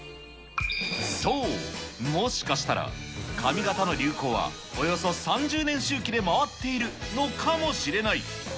そう、もしかしたら、髪形の流行はおよそ３０年周期で回っているのかもしれない。